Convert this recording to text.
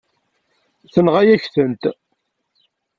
Tenɣa-yak-tent.